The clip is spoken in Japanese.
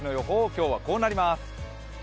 今日はこうなります。